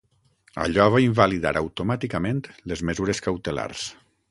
Allò va invalidar automàticament les mesures cautelars.